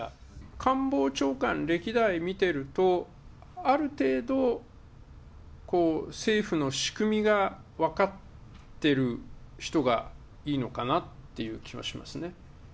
官房長官は、歴代見てるとある程度、政府の仕組みが分かってる人がいいのかなっていう気はしますね。